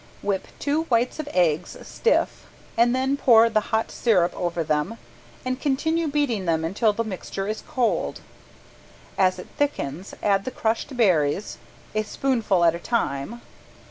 Whip two whites of eggs stiff and then pour the hot sirup over them and continue beating them until the mixture is cold. As it thickens add the crushed berries, a spoonful at a time.